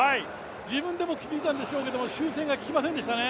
自分でも気づいたんでしょうけど、修正がききませんでしたね。